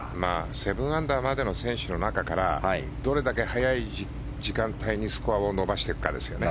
７アンダーまでの選手の中からどれだけ早い時間帯にスコアを伸ばしていくかですよね。